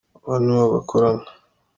Uwo ni wo bakorana